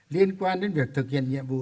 liên quan đến việc thực hiện nhiệm vụ